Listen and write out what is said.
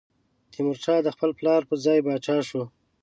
تیمورشاه د خپل پلار پر ځای پاچا شو.